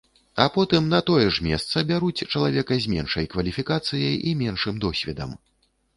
А потым на тое ж месца бяруць чалавека з меншай кваліфікацыяй і меншым досведам.